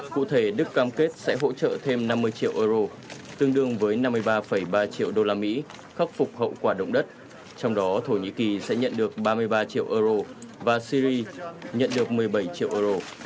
cụ thể đức cam kết sẽ hỗ trợ thêm năm mươi triệu euro tương đương với năm mươi ba ba triệu đô la mỹ khắc phục hậu quả động đất trong đó thổ nhĩ kỳ sẽ nhận được ba mươi ba triệu euro và syri nhận được một mươi bảy triệu euro